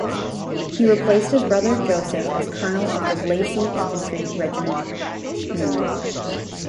He replaced his brother Joseph as colonel of the "Lacy" Infantry Regiment Nr.